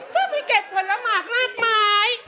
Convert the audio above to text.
เพื่อไปเก็บถนระหมากมากมาย